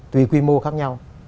tùy quy mô khác nhau